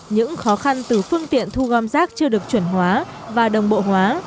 những khó khăn từ phương tiện thu gom rác chưa được chuẩn hóa và đồng bộ hóa